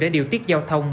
để điều tiết giao thông